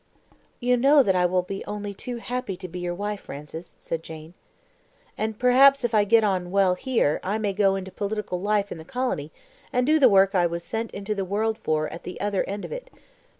'" "You know that I will be only too happy to be your wife, Francis," said Jane. "And perhaps if I get on well here I may go into political life in the colony and do the work I was sent into the world for at the other end of it.